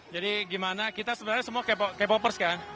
jadi gimana kita sebenarnya semua k popers kan